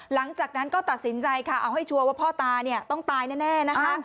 หลังจากนั้นก็ตัดสินใจค่ะเอาให้ชัวร์ว่าพ่อตาเนี่ยต้องตายแน่นะคะ